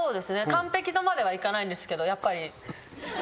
完璧とまではいかないんですけどやっぱり。